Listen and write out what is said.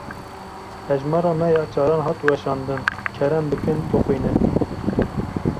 Hejmara me ya çaran hat weşandin. Kerem bikin bixwînin.